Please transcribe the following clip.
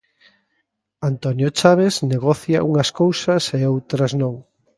Antonio Chaves negocia unhas cousas e outras non.